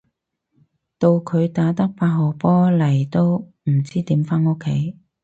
到佢打得八號波嚟都唔知點返屋企